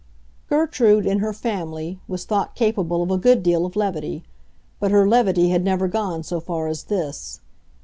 Gertrude, in her family, was thought capable of a good deal of levity; but her levity had never gone so far as this.